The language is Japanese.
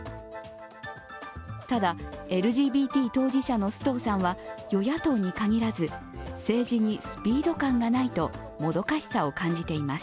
ただ、ＬＧＢＴ当事者の須藤さんは与野党に限らず政治にスピード感がないともどかしさを感じています。